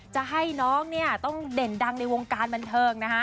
จะให้น้องเนี่ยต้องเด่นดังในวงการบันเทิงนะฮะ